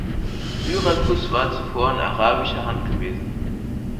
Syrakus war zuvor in arabischer Hand gewesen.